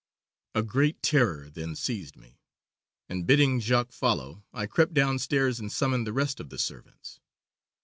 "A great terror then seized me, and bidding Jacques follow, I crept downstairs and summoned the rest of the servants.